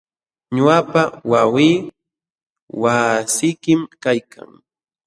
Ñuqapa wawqii waqaysikim kaykan.